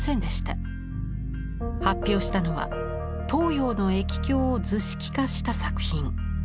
発表したのは東洋の易経を図式化した作品。